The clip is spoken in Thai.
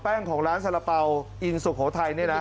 แป้งของร้านสรเปาร์อินสุขโหวไทย